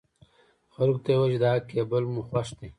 خلکو ته يې ويل چې دا کېبل مو خوښ دی.